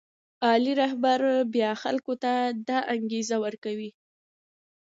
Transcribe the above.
عالي رهبر بیا خلکو ته دا انګېزه ورکوي.